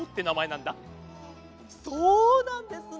そうなんですね。